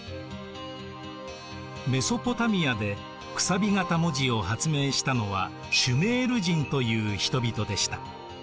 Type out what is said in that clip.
メソポタミアで楔形文字を発明したのはシュメール人という人々でした。